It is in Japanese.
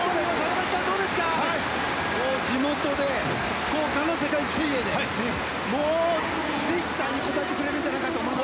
地元で福岡の世界水泳で絶対に応えてくれるんじゃないかと思います。